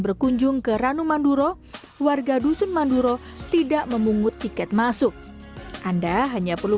berkunjung ke ranu manduro warga dusun manduro tidak memungut tiket masuk anda hanya perlu